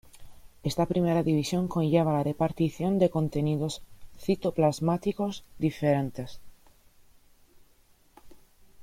Esta primera división conlleva la repartición de contenidos citoplasmáticos diferentes.